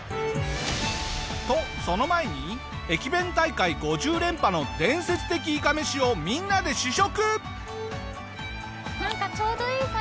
とその前に駅弁大会５０連覇の伝説的いかめしをみんなで試食！